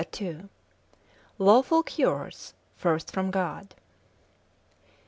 II. Lawful Cures, first from God.